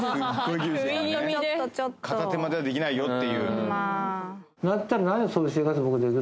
片手間ではできないよって。